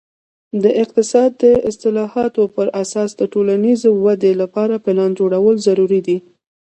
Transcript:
د اقتصاد د اصلاحاتو پر اساس د ټولنیزې ودې لپاره پلان جوړول ضروري دي.